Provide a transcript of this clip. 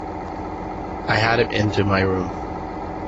I had him into my room.